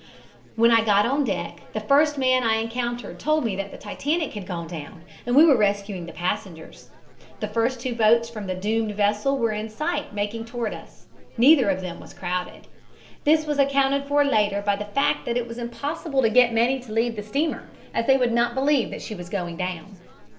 "When I got out on deck the first man I encountered told me that the Titanic had gone down and we were rescuing the passengers. The first two boats from the doomed vessel were in sight making toward us. Neither of them was crowded. This was accounted for later by the fact that it was impossible to get many to leave the steamer, as they would not believe that she was going down.